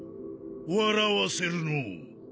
笑わせるのう。